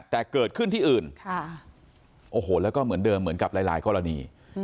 แต่เกิดขึ้นที่อื่นโอ้โหแล้วก็เหมือนเดิมเหมือนกับหลายกรณี